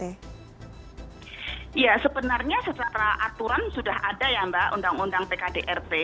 ya sebenarnya secara aturan sudah ada ya mbak undang undang pkdrt